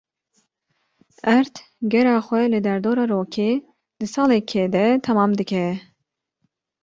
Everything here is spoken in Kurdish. Erd gera xwe li derdora rokê di salekê de temam dike.